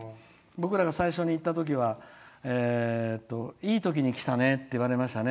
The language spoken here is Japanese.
僕らが最初に行ったときはいいときに来たねって言われましたね。